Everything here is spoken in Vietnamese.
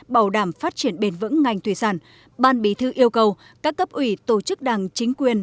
bảo đảm phát triển bền vững ngành thủy sản ban bí thư yêu cầu các cấp ủy tổ chức đảng chính quyền